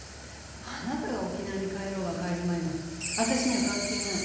あなたが沖縄に帰ろうが帰るまいが私には関係ない。